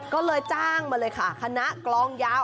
ก็เลยจ้างมาเลยค่ะคณะกลองยาว